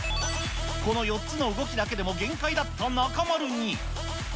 この４つの動きだけでも限界だった中丸に。